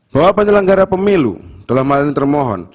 bahwa penyelenggara pemilu dalam hal ini termohon